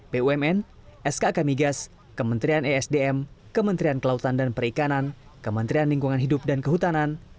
bumn skk migas kementerian esdm kementerian kelautan dan perikanan kementerian lingkungan hidup dan kehutanan